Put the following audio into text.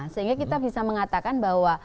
sehingga kita bisa mengatakan bahwa